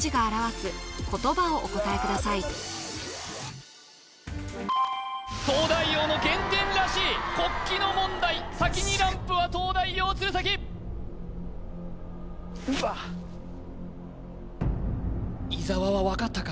次の「東大王」の原点らしい国旗の問題先にランプは東大王鶴崎伊沢は分かったか？